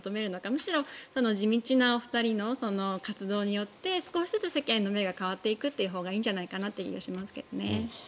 むしろ地道な２人の活動によって少しずつ世間の目が変わっていくというほうがいいと思いますね。